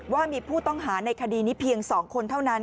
ว่ามีผู้ต้องหาในคดีนี้เพียง๒คนเท่านั้น